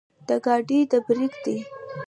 د ګاډي د برېک دے